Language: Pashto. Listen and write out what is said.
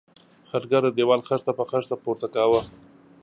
خټګر د دېوال خښته په خښته پورته کاوه.